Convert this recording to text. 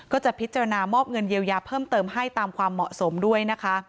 ก็จะพิจารณามอบเงินเยียวยาเพิ่มเติมให้ตามความเหมาะสมด้วยนะคะ